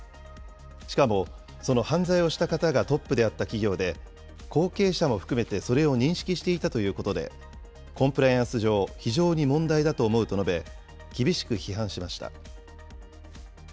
しかも、その犯罪をした方がトップであった企業で、後継者も含めてそれを認識していたということで、コンプライアンス上、非常に問題だと思うと述べ、厳しく批判しました。